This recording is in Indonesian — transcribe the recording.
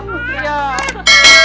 oh luar biasa